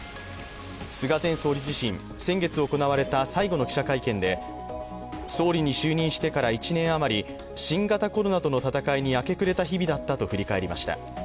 菅前総理自身、先月行われた最後の記者会見で総理に就任してから１年余り、新型コロナとの戦いに明け暮れた日々だったと振り返りました。